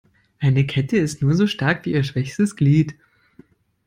Eine Kette ist nur so stark wie ihr schwächstes Glied.